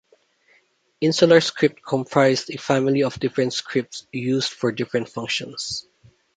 Insular script comprised a family of different scripts used for different functions.